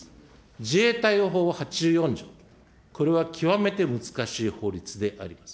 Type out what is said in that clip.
自衛隊法８４条、これは極めて難しい法律であります。